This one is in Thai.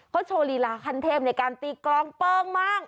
เขาโชว์ลีลาขั้นเทพในการตีกลองเปิ้งมาก